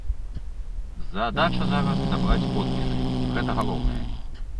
Задача зараз сабраць подпісы, гэта галоўнае.